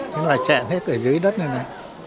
nhưng mà chẹn hết ở dưới đất này này